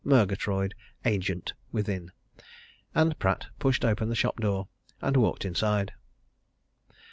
Murgatroyd, agent, within. And Pratt pushed open the shop door and walked inside.